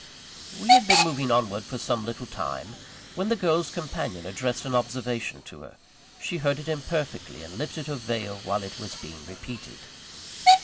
We had been moving onward for some little time, when the girl's companion addressed an observation to her. She heard it imperfectly, and lifted her veil while it was being repeated.